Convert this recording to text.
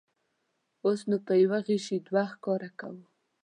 اوس نو په یوه غیشي دوه ښکاره کوو.